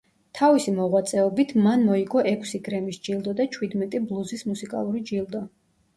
თავისი მოღვაწეობით მან მოიგო ექვსი გრემის ჯილდო და ჩვიდმეტი ბლუზის მუსიკალური ჯილდო.